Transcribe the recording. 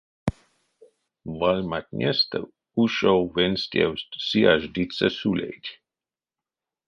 Вальматнестэ ушов венстевсть сияждыця сулейть.